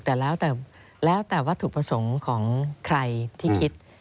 แต่แล้วแต่ว่าถูกประสงค์ของใครที่คิด